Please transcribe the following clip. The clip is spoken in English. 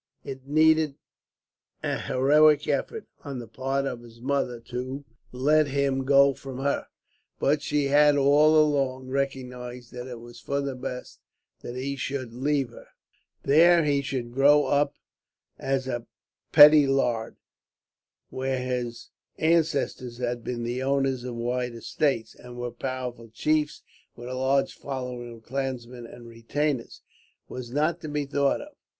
It needed an heroic effort, on the part of his mother, to let him go from her; but she had, all along, recognized that it was for the best that he should leave her. That he should grow up as a petty laird, where his ancestors had been the owners of wide estates, and were powerful chiefs with a large following of clansmen and retainers, was not to be thought of.